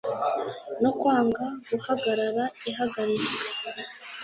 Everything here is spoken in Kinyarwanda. no kwanga guhagarara ihagaritswe